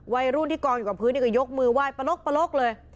วัยรุ่นที่กองอยู่กับพื้นนี่ก็ยกมือไหว้ปลกเลย